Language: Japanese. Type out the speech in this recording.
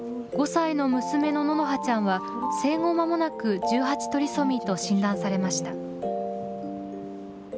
５歳の娘の望花ちゃんは、生後まもなく１８トリソミーと診断されました。